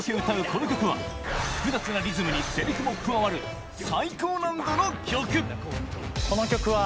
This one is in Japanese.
この曲は複雑なリズムにセリフも加わる最高難度の曲この曲は。